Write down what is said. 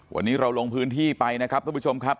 วันนี้เราลงพื้นที่ไปนะครับทุกผู้ชมครับ